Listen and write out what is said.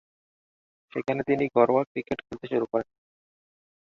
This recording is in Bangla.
সেখানে তিনি ঘরোয়া ক্রিকেট খেলতে শুরু করেন।